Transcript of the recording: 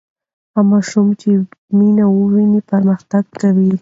هغه ماشوم چې مینه ویني پرمختګ کوي.